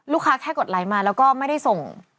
แค่กดไลค์มาแล้วก็ไม่ได้ส่ง